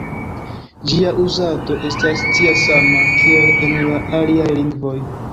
Ĝia uzado estas tia sama, kiel en la aliaj lingvoj.